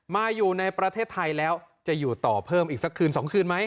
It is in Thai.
มาอยู่ในประเทศไทยแล้วจะอยู่ต่อเพิ่มอีกสักคืน๒คืนไหม